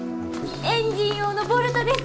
エンジン用のボルトです。